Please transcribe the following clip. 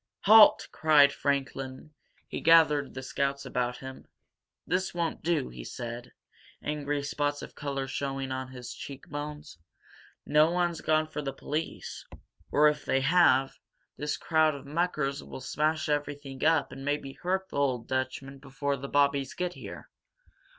"Halt!" cried Franklin. He gathered the scouts about him. "This won't do," he said, angry spots of color showing on his cheek bones. "No one's gone for the police or, if they have, this crowd of muckers will smash everything up and maybe hurt the old Dutchman before the Bobbies get here.